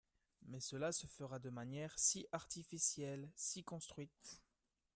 Mais cela se fera de manière si artificielle, si construite